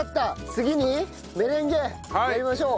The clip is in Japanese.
次にメレンゲやりましょう。